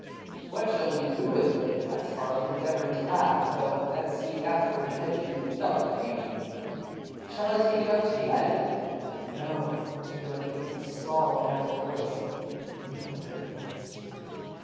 "What shall we do with it?" asked Harlan, endeavouring to laugh, though, as he afterward admitted, he "felt creepy." "Shall I take it up to the attic?" "No," answered Dorothy, in a small, unnatural voice, "leave it where it is."